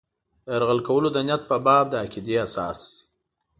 د یرغل کولو د نیت په باب د عقیدې اساس.